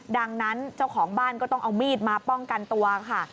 ดังนั้นเจ้าของบ้านก็ต้องเอามีดมาป้องกันตัวค่ะ